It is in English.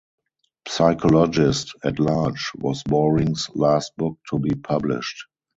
"Psychologist at Large" was Boring's last book to be published.